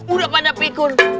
udah pada pikun